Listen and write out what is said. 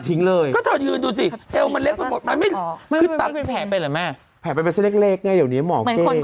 เหมือนคนคลอดลูก